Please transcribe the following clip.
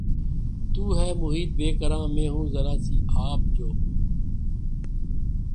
تو ہے محیط بیکراں میں ہوں ذرا سی آب جو